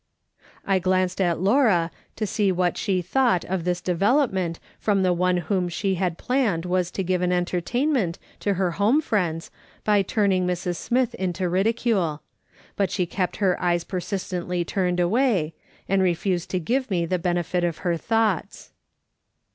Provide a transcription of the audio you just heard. I glanced at Laura to see what she thought of this development from the one whom she had planned was to give an entertainment to her home friends, by turning j\[rs. Smith into ridicule ; but she kept her eyes persistently turned away, and refused to give me the benefit of her thoughts.